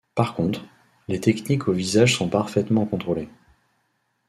Par contre, les techniques au visage sont parfaitement contrôlées.